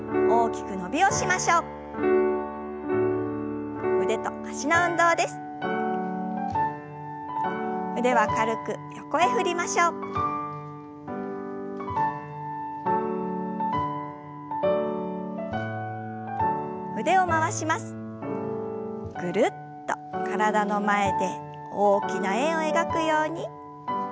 ぐるっと体の前で大きな円を描くように。